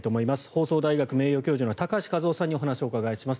放送大学名誉教授の高橋和夫さんにお話をお伺いします。